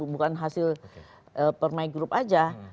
bukan hasil permai group saja